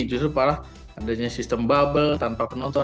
justru malah adanya sistem bubble tanpa penonton